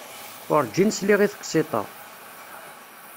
Urǧin sliɣ i teqsiḍt-a.